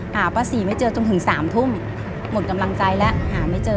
ป้าศรีไม่เจอจนถึง๓ทุ่มหมดกำลังใจแล้วหาไม่เจอ